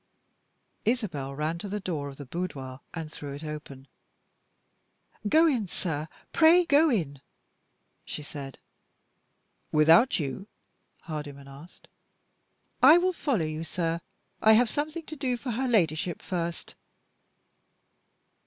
Isabel ran to the door of the boudoir and threw it open. "Go in, sir! Pray go in!" she said. "Without you?" Hardyman asked. "I will follow you, sir. I have something to do for her Ladyship first."